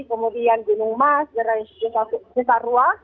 kemudian binung mas gerai sitarua